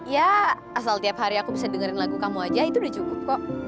ya asal tiap hari aku bisa dengerin lagu kamu aja itu udah cukup kok